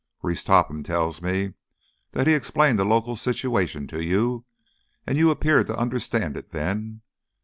"Reese Topham tells me that he explained the local situation to you, and you appeared to understand it then.